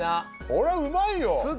これうまいよ。